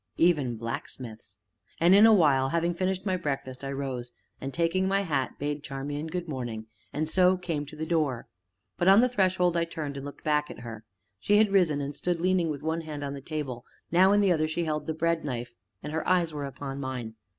"Even blacksmiths!" And in a while, having finished my breakfast, I rose, and, taking my hat, bade Charmian "Good morning," and so came to the door. But on the threshold I turned and looked back at her. She had risen, and stood leaning with one hand on the table; now in the other she held the breadknife, and her eyes were upon mine.